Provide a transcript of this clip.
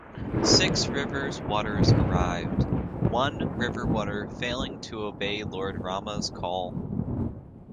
Six rivers waters arrived, one river water failing to obey Lord Rama's call.